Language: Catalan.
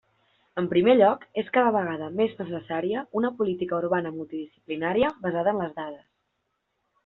En primer lloc, és cada vegada més necessària una política urbana multidisciplinària basada en les dades.